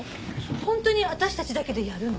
本当に私たちだけでやるの？